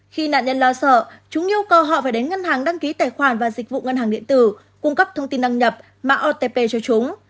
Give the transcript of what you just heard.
khi nạn nhân lo sợ chúng yêu cầu họ phải đến ngân hàng đăng ký tài khoản và dịch vụ ngân hàng điện tử cung cấp thông tin đăng nhập mã otp cho chúng